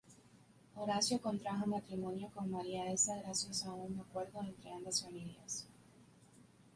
Horacio contrajo matrimonio con Maria Elsa gracias a un acuerdo entre ambas familias.